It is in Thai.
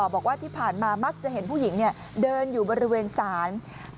บอกว่าที่ผ่านมามักจะเห็นผู้หญิงเดินอยู่บริเวณศาล